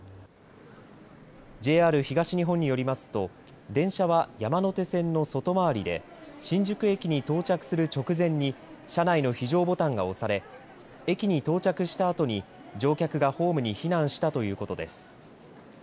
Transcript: ＪＲ東日本によりますと電車は山手線の外回りで新宿駅に到着する直前に車内の非常ボタンが押され駅に到着したあとに乗客がホームに避難したということです。